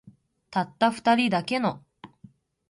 たった二人だけの